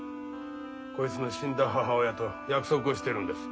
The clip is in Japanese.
こいつの死んだ母親と約束をしてるんです。